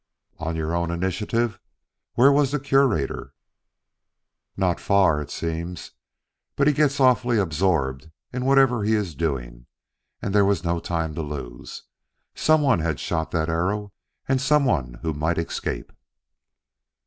"On your own initiative? Where was the Curator?" "Not far, it seems. But he gets awfully absorbed in whatever he is doing, and there was no time to lose. Some one had shot that arrow, some one who might escape."